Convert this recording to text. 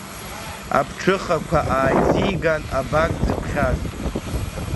Аԥҽыхақәа ааизиган абар дзыԥхьаз…